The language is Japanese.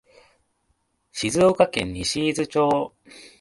静岡県西伊豆町